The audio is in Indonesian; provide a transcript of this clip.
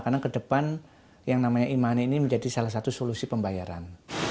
karena ke depan yang namanya e money ini menjadi salah satu solusi pembayaran